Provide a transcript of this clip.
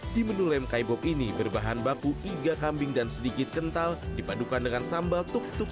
di menu lem kaibob ini berbahan baku iga kambing dan sedikit kental dipadukan dengan sambal tuk tuk